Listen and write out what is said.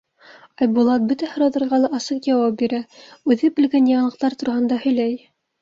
Айбулат бөтә һорауҙарға ла асыҡ яуап бирә, үҙе белгән яңылыҡтар тураһында һөйләй.